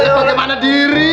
ya bagaimana diri